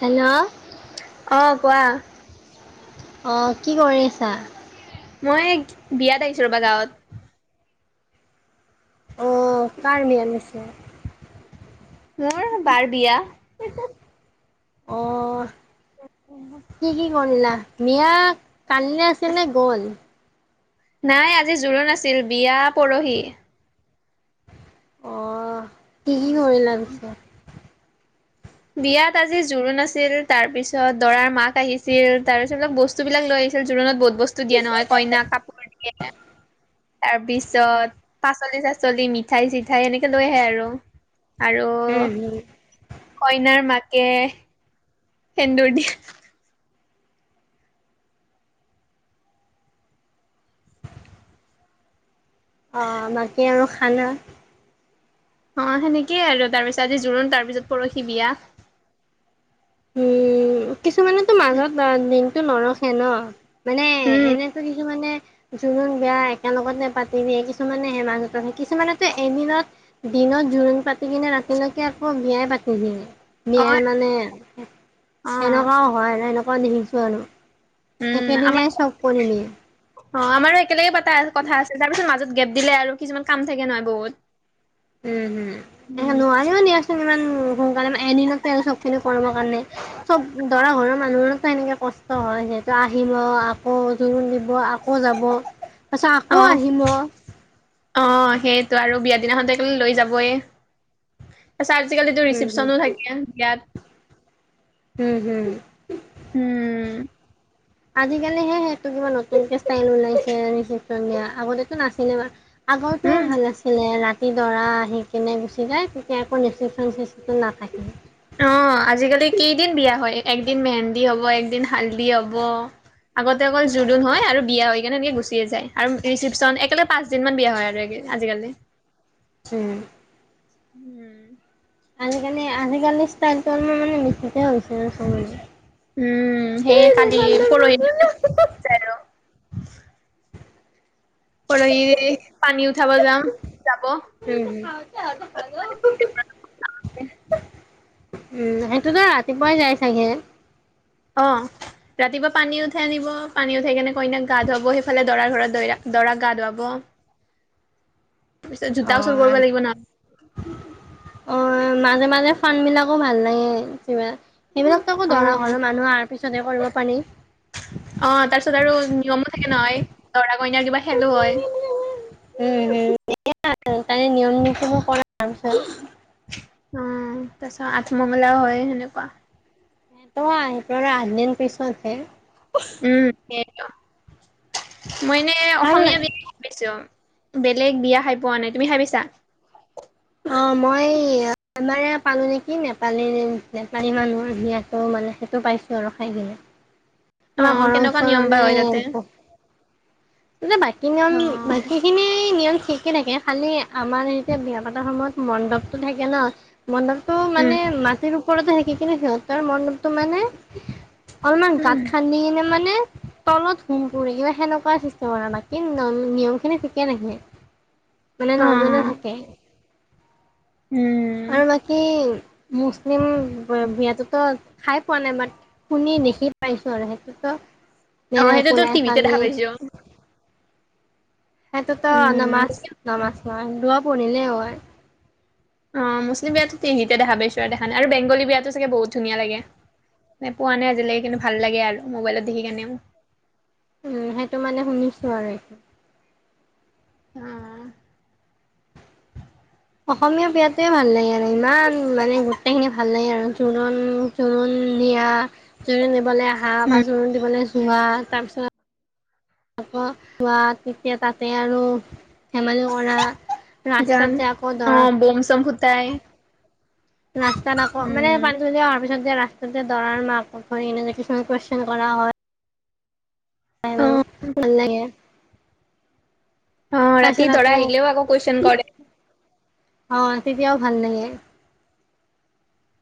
Hello. কুৱা। অঁ কি কৰি আছা মই বিয়াত আহিছো ৰ'বা গাঁৱত আহ কাৰ বিয়া পিছে মোৰ বাৰ বিয়া অ কি কি কইলা বিয়া কালি আছে নে গ'ল নাই আজি জোৰোণ আছিল বিয়া পৰহি অহ, কি কি কৰিলা পিছে? বিয়াত আজি জোৰোণ আছিল, তাৰ পিছত দৰাৰ মাক আহিছিল, তাৰ পিছত অলপ বস্তু বিলাক লৈ আহ জোৰোণত বহুত বস্তু দিয়া নহয় কইনাক কাপোৰ দিয়ে, তাৰপিছত পাচলি চাচলি মিঠাই চিঠাই এনেকে লৈ আহে আৰু, আৰু উম হম। কইনাৰ মাকে সেন্দুৰ দিয়া অ', বাকী আৰু খানা? অ', সেনেকেই আৰু, তাৰ পিছত আজি জোৰোণ তাৰ পিছত পৰহি বিয়া। উম, কিছুমানেতো মাজত দিনতটো নৰখে ন'। মানে উম এনেটো কিছো মানে জোৰোণ বেয়া একেলগতে পাতি দিয়ে, কিছুমানে হে মাহত, কিছুমানেটো এমিনত দিনত জোৰোণ পাতি কিনে ৰাতিলৈকে আকৌ বিয়াই পাতি দিয়ে, বিয়াই অ', মানে অ', সেনেকুৱাও হয়, আৰু এনেকুৱাও নিশিছো আৰু। উম, একেদিনাই চব কৰি নিয়ে। আমাৰ অ' আমাৰো একেলগে পতা কথা আছে, তাৰপিছত মাজত গেপ দিলে আৰু কিছুমান কাম থাকে নহয় বহুত। উম, হম, এ নোৱাৰিও নিয়াচোন ইমান সোনকালে এদিনত চব খিনি কৰিবৰ কাৰণে, চব দৰা ঘৰৰ মানুহততো এনেকে কষ্ট হয়, যিহেতু আহিব, আকৌ জোৰোণ দিব আকৌ যাব। তাৰছাত অ আকৌ আহিম। অ সেইটো আৰু বিয়া দিনাখন টো একে লৈ যাবই। তাৰছ আজিকালিতো হম ৰিচিপশ্যনো থাকে বিয়াত। উম, হম। উম আজিকালিহে সটো কিবা নতুনকে ষ্টাইল ওলাইছে ৰিচপন দিয়া, আগতেতো নাছিলে। উম আগৰটয়ে ভাল আছিলে ৰাতি তি দৰা আহি কেনে গুচি যায়, তেতিয়া একো ৰেচিপশ্যন চিষ্টটো নাথাকে। অ আজিকালি দিন হাল্দি হ'ব। আগতে অকল জোৰণ হয় আৰু বিয়া হৈ কিনে এনেকে গুচিয়ে যায়, আৰু ৰিচিপশচন একেলগে পাঁচ দিন মান বিয়া হয় আৰু। আজিকালি। হম। উম। আজিকালি আজিকালি ষ্টাইলটো অলপমান মানে মিঠতে হৈছে আৰু চ উম, সেইয়ে কালি পৰহি আৰু পৰহি পানী উঠাব যাম যাব। খাওঁতে অ' ভা'ল। উম, সেইটোতো ৰাতিপুৱাই যাই চাগে। অ'। ৰাতিপুৱা পানী উঠাই আনিব, পানী উঠাই কেনে কইনাক গা ধুৱাব সেইফালে দৰাৰ ঘৰত দ দৰা গা ধুৱাব। তাৰ পিছত জোতাও চুৰ কৰিব অ'। লাগিব নয় অ' মাজে মাজে ফান বিলাকো ভাল লাগে, কিবা। সেইবিলাক টো একো দৰা ঘৰৰ মানুহ পিছতহে কৰিব পানী। অ'হ। তাৰপিছত আৰু নিয়মো থাকে নহয়। দৰা-কইনাৰ কিবা খেলো হয়। উম। এয়া [unintelligible] তে নিয়ম- নীতিবোৰ কৰা হোৱাৰ পিছত অ' তাৰছত আঠমঙলা হয় সেনেকুৱা। সটো আহি আঠদিন পিছতহে। উম সেইটো, মই এনে ভাল অসমীয়া লাগে। বিয়াহে খাই পাইছোঁ। বেলেগ বিয়া খাই পোৱা নাই, তুমি খাই পইচা? অ', মইমাৰ পালো নেকি নেপালী নেপালী মানুহি মানে সেইটো পাইছো আৰু খাই কিনে। আমাৰ অ', ঘৰৰ কেনেকুৱা নিয়ম বা ওচৰৰে হয় তাতে? [unintelligible] বাকী নিয়ম, অ', বাকীখিনি নিয়ম ঠিকে থাকে। খালি আমাৰ এতিয়া বিয়া পতাৰ সময়ত মণ্ডপটো থাকে ন, মণ্ডপটো উম, মানে মাটিৰ ওপৰতে থাকি কেনে, সিহঁতৰ মণ্ডপটো মানে অলপমান গাত উম, খান্দি কিনে মানে তলত হুম পুৰি কিবা সেনেকুৱা [unintelligible] বাকী নিয়ম খিনি ঠিকে থাকে। মানে নৰ্মেলে অ', থাকে। উম, আৰু বাকী মুছলিম বিয়াটোত' খাই পোৱা নাই। বাট শুনি দেখি পাইছোঁ। আৰু সেইটোত' দে অ', দে সেইটোতো একো নাই। টিভিতে খালী দেখা পাইছোঁ, সেইটোত' নামাজ। উম। নামাজ। পঢ়ে। দোৱা পঢ়িলেও হয়। অ মুছলিম বিয়াতটো টিভিতে দেখা পাইছো। আৰু দেখা নাই। আৰু বেংগলী বিয়াটো চাগে বহুত ধুনীয়া লাগে। নাই। পোৱা নাই আজিলৈকে। কিন্তু ভাল লাগে আৰু। মোবাইলত দেখি কেনে উম। সেইটো মানে শুনিছো আৰু। এ অহ। অসমীয়া বিয়াত টে ভাল লাগে আৰু। ইমান মানে গোটেইখিনি ভাল লাগে আৰু। জোৰণ- জোৰণ বিয়া। জোৰণ দিবলৈ আহা। বা জোৰণ দিবলৈ যোৱা। তাৰপিছত আকৌ খোৱা। তেতিয়া তাতে আৰু ধেমালি কৰা। ৰাস্তাত গান। যে আকৌ অ দৰা বম-চম ফুতাই। ৰাস্তাত। আকৌ মানে পানী তল অহাৰ পিছত যে ৰাস্তা তাতে দৰাৰ মাকক এনে যে কিছুমান কয়েচছন কৰা হয়। অ [unintelligible] ভাল লাগে। অ ৰাতি তাৰছত দৰা আকৌ আহিলেও আকৌ কুৱেশন কৰে। অহ। তেতিয়াও ভাল লাগে।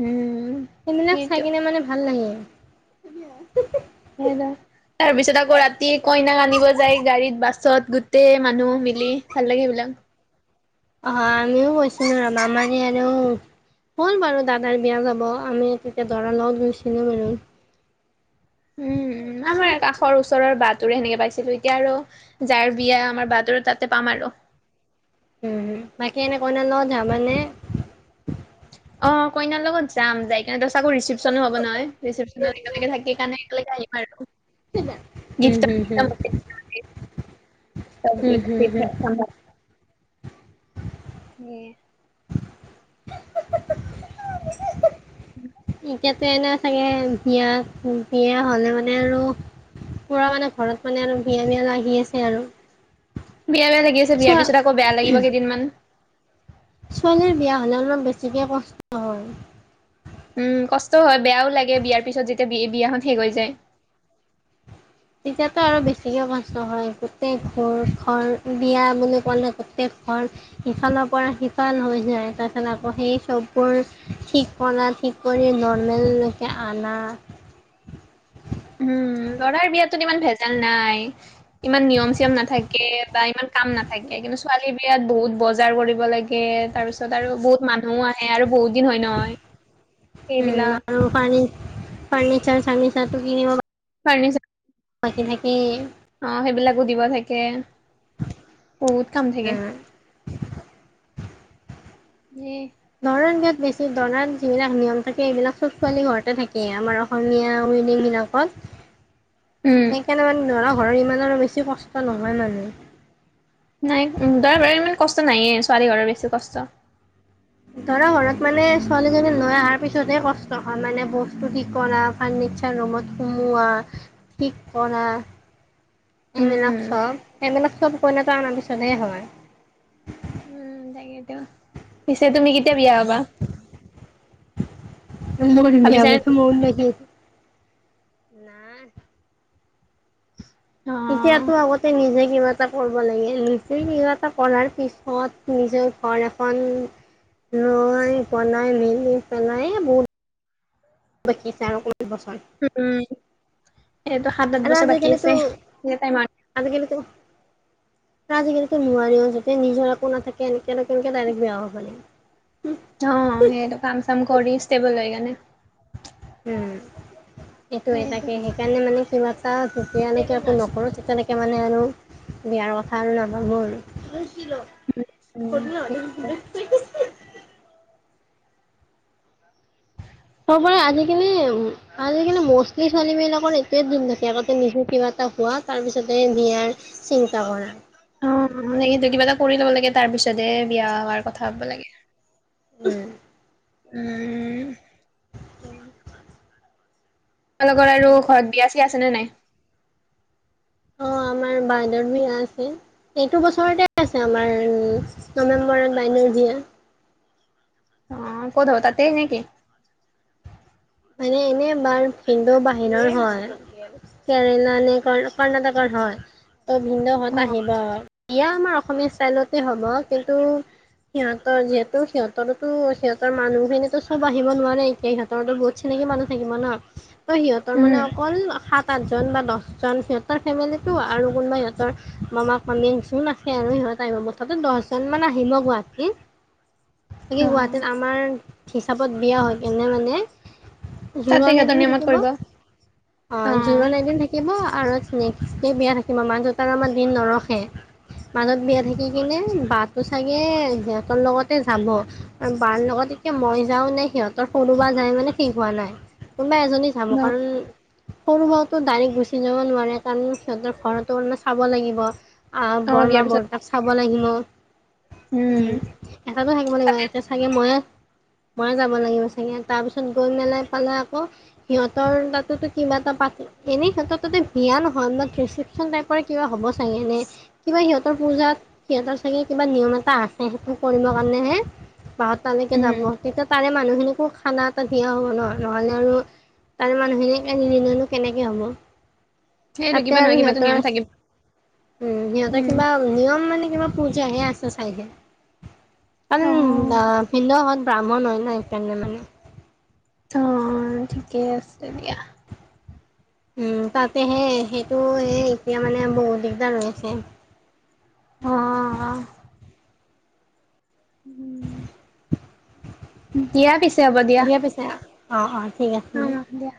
উম সেইবিলাক চাই সেইটো কিনে মানে ভাল লাগে। হয়, নহ। তাৰ পিছত আকৌ ৰাতি কইনাক আনিব যায়। গাড়ীত, বাছত। গোটেই মানুহ ভাল লাগে। এইবিলাক অহ। হ। আমিও কৈছো না। নামানে আৰু হ'ল বাৰু। দাদাৰ বিয়া যাব। আমি তেতিয়া দৰা লগত গৈছিলো বাৰু উম। উম,। আমাৰ কাষৰ ওচৰৰ বাট তোৰ হেনেকে পাইছিলো। এতিয়া আৰু, যাৰ বিয়া আমাৰ বাহতৰ তেনেকে পাম আৰু উম, বাকী এনে কইনাৰ লগত যাবানে? অ, কইনাৰ লগত যাম। যাই কিনে দছ আকো। ৰিচিপশনো' হব নহয়। ৰিচিপশন দিনলৈকে থাকি কাৰণে একেলগে আহিম আৰু উম। হম। গিফ্টৰ হম। একদম [unintelligible] [inaudible] [inaudible] এতিয়াতো এনে চাগে বিয়াত। বিয়া হ'লে মানে আৰু পুৰা মানে। ঘৰত মানে আৰু, বিয়া -বিয়া আহি আছে আৰু বিয়া- বিয়া লাগি আছে। বিয়াৰ ছোৱা পিছত আকৌ বেয়া লাগিব কেইদিনমান ছোৱালীৰ বিয়া হ'লে অলপ বেছিকৈ কষ্ট হয়। উম, কষ্টও হয় বেয়াও লাগে বিয়াৰ পিছত যেতিয়া বি বিয়াখন শেষ হৈ যায় তেতিয়াতো আৰু বেছিকে কষ্ট হয়, গোটেই ঘৰ ঘৰ বিয়া বুলি ক'লে গোটেই ঘৰ সিফালৰ পৰা সিফাল হৈ যায় তাৰপছত আকৌ সেই চববোৰ ঠিক কৰা ঠিক কৰি নৰ্মেলকে আনা উম, লৰাৰ বিয়াতো ইমান ভেজাল নাই ইমান নিয়ম- চিয়ম নাথাকে। বা ইমান কাম নাথাকে। কিন্তু ছোৱালী বিয়াত বহুত বজাৰ কৰিব লাগে। তাৰ পিছত আৰু বহুত মানুহো আহে। আৰু বহুত দিন হয় নহয় উম। সেইবিলাক আৰু ফাৰ -ফাৰ্ণিচাৰ- চাৰ্ণিচাৰটো কিনিব ফাৰনিচা বাকি থাকি অ, সেইবিলাকো দিব থাকে। বহুত কাম থাকে। উম [inaudible] নি দৰা গাত বেছি দৰাত যিবিলাক নিয়ম থাকে এইবিলাক চব ছোৱালী ঘৰতে থাকেই আমাৰ অসমীয়া বিলাকত উম সেইকাৰণে মানে দৰা ঘৰৰ ইমান আৰু বেছি কষ্ট নহয় মানে নাই দৰাঘৰৰ ইমান কষ্ট নাইয়ে, ছোৱালী ঘৰৰ বেছি কষ্ট। দৰা ঘৰত মানে ছোৱালীজনী লৈ অহাৰ পিছতহে কষ্ট হয়, মানে বস্তু ঠিক কৰা ফাৰ্নিছাৰ ৰুমত সোমোৱা থিক কৰা এইবিলাক উম চব এইবিলাক চব কইনাটো অনাৰ পিছতহে হয়। উম, তাকেতো, পিছে তুমি কেতিয়া বিয়া হবা এিয় ভাবিছানে ম [unintelligible] অ এতিয়াতো আগতে নিজে কিবা এটা কৰিব লাগে, নিজেই কিবা এটা কৰাৰ পিছত নিজৰ ঘৰ এখন লৈ বনাই মেলি পেলাই বহুত বাকী আছে আৰু অকমান বছৰ উম, এইটো সাত আঠ এনেই বছৰ আজি বাকী আছে কালিটো তাই মান আজি কালিটো আজিকালিটো নোৱাৰিও যতে নিজৰ একো নাথাকে এনেকনো কেনেকে ডাইৰেক্ট বেয়া হ'ব লাগে। অ সেইটো কাম চাম কৰি ষ্টেবল হৈ কেনে উম, এইটোয়ে সেইটো তাকে সেইকাৰণে মানে কিবা তাত যেতিয়া এনেকৈ একো নকৰোঁ তেতিয়ালৈকৈ মানে আৰু বিয়াৰ কথা আৰু নাভাবোঁ আৰু [inaudible] উম চবৰে আজিকালি আজিকালি ম'ষ্টলি ছোৱালী বিলাকৰ এইটোৱে দিন থাকে আগতে নিজও কিবা খোৱা, তাৰপিছতে বিয়াৰ চিন্তা কৰা। অ, মানে সটো কিবা এটা কৰি ল'ব লাগে তাৰ পিছতে বিয়া হোৱাৰ কথা হব লাগে। উ'ম ও' তোমালোকৰ আৰু ঘৰত বিয়া চিয়া আছে নে নাই? অ' আমাৰ বাইদেউৰ বিয়া আছে, এইটো বছৰতে আছে আমাৰ, নৱেম্বৰত বাইদেউ বিয়া অ' ক'ত হ'ব, তাতে নে কি। মানে এনে বাৰ ভিন্দেঔ বাহিৰৰ হয়। কেৰেলা নে কৰ্ণাটকৰ হয়। ত অ ভিন্দেঔহঁত আহিব। আৰু বিয়া আমাৰ অসমীয়া ষ্টাইলতে হ'ব। কিন্তু সিহঁতৰ যিহেতু সিহঁতৰো সিহঁতৰ মানুহখিনিতো সব আহিব নোৱাৰে এতিয়া, সিহঁতৰতো বহুত চিনাকি মানুহ থাকিব ন। ত' সিহঁতৰ মানে উম, অকল সাত পাঁচজন বা দহজন সিহঁতৰ ফেমিলিটো আৰু কোনোবা সিহঁতৰ মামা মামী যোন আছে আৰু সিহ হত আহিব, মুঠতে দহজন মান আহিম গুৱাহাটী কিন গুৱাহাটীত অ', আমাৰ হিচাপত বিয়াহৈ কিনে মানে তাতে জোৰণ সিহঁতৰ এদিন নিয়মত থাকিব কৰিব অ'। অ' জোৰণ এদিন থাকিব আৰু নেক্সট ডে বিয়া থাকিম মা দেউতাৰ আমাৰ দিন নৰখে।। মাজত বিয়া থাকি কিনে বাটো চাগে সিহঁতৰ লগতে যাব আৰু বাৰ লগত। গতিকে মই যাওঁ নে সিহঁতৰ সৰু বা যায় মানে ঠিক হোৱা নাই কোনোবা এজনী যাম কাৰণ। সৰু বাওঁতো ডাইৰেক্ট গুচি যাব নোৱাৰে কাৰণ সিহঁতৰ ঘৰতো চাব লাগিব। অহ অ, বৰমা বিয়াৰ পিছত বৰটাক চাব লাগিব। উম এটাতো থাকিব লাগিব। এটিয়া চাগে ময়ে ময়ে যাব লাগিব চাগে, তাৰ পিছত গৈ মেলাই পেলাই আকৌ সিহঁতৰ তাতোটো কিবা এটা পাতি এনে সিহ'তৰ তাতে বিয়া নহয় মানত ৰিচেপচন টাইপৰ কিবা হ'ব চাগে, এনেই কিবা সিহঁতৰ পূজাত সিহঁতৰচাগে কিবা নিয়ম টা আছে, সেইটো কৰিবৰ কাৰণে হে বা হ'ত তালৈকে যাব। উম, তেতিয়া তাৰে মানুহখিনিকো খানা দিয়া হ'ব ন, নহ'লে আৰু তাৰে মানুহখিনিক নিনিলেনো কেনেকৈ হ'ব। সেইটো তাতে কিবা আৰু নহয় কিবাতো সিহঁতৰ নিয়ম থাকিব। উম সিহঁতৰ উম, কিবা নিয়ম মানে কিবা পু। জা হে আছে চাগে কাৰণ অ', ভিন্ন। ব্ৰাহ্মণ হয় নহ সেইকাৰণে মানে।। অ' ঠিকেই আছে দিয়া। উম, তাতেহে সেইটো এই এতিয়া মানে বহুত দিগদাৰ হৈ আছে। অহ অহ অহ। দিয়া পিছে হ'ব দিয়া। অঁ অঁ। অ' দিয়া।